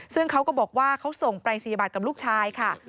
ซึ่งเขาก็บอกว่าเขาส่งปรายศนียบัตรกับลูกชายค่ะ